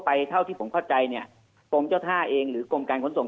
เท่าที่ผมเข้าใจเนี่ยกรมเจ้าท่าเองหรือกรมการขนส่ง